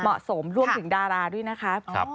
เหมาะสมรวมถึงดาราด้วยนะครับ